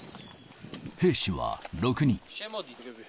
兵士は６人。